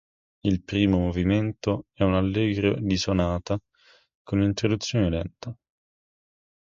Il primo movimento è un allegro di sonata con introduzione lenta.